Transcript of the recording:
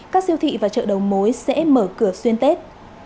các siêu thị và chợ đầu mối sẽ mở cửa xuyên tết